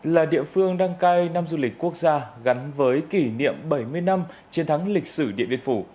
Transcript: là địa phương đăng cai năm du lịch quốc gia gắn với kỷ niệm bảy mươi năm chiến thắng lịch sử điện biên phủ